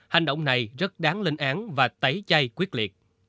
hành động này rất đáng linh án và tẩy chay quyết liệt